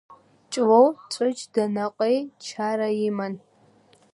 Ҷлоу Ҵәыџь Данаҟеи чара иман.